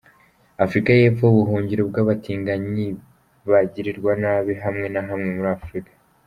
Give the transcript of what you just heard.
Afurika y’Epfo, buhungiro bw’abatinganyi bagirirwa nabi hamwe na hamwe muri Afurika.